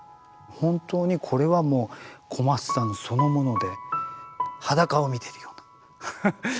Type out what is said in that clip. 本当にこれはもう小松さんそのもので裸を見てるようなっていうぐらいに。